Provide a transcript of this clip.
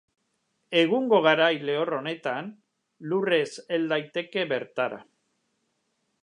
Egungo garai lehor honetan, lurrez hel daiteke bertara.